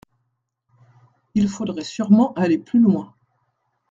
Il faudrait sûrement aller plus loin.